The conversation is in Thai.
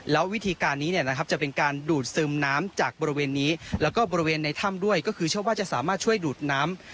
แล้ววิธีการนี้จะเป็นการดูดซึมน้ำจากบริเวณนี้แล้วก็บริเวณในถ้ำด้วยก็คือเชื่อว่าจะสามารถช่วยดูดน้ำ